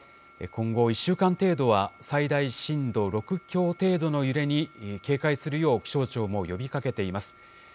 今後１週間程度は、最大震度６強程度の揺れに警戒するよう、気象庁も呼びかけています。